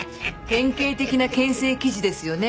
典型的な牽制記事ですよね。